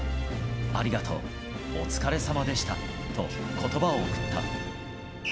ありがとう、お疲れさまでしたと言葉を送った。